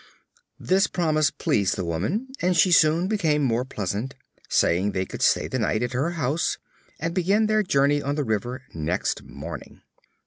This promise pleased the woman and she soon became more pleasant, saying they could stay the night at her house and begin their voyage on the river next morning.